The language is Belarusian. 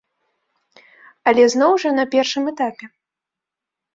Але зноў жа, на першым этапе.